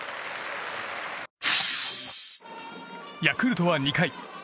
ヤクルトは２回。